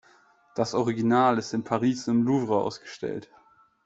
Das Original ist in Paris im Louvre ausgestellt.